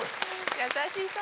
優しそう。